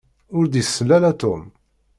Ur d-isel ara Tom.